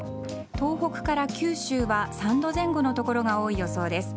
東北から九州は３度前後の所が多い予想です。